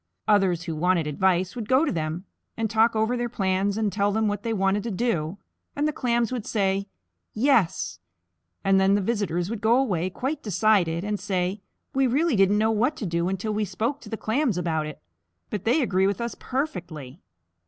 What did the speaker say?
Others who wanted advice would go to them, and talk over their plans and tell them what they wanted to do, and the Clams would say, "Yes," and then the visitors would go away quite decided, and say, "We really didn't know what to do until we spoke to the Clams about it, but they agree with us perfectly."